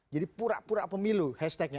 jadi pura pura pemilu hashtagnya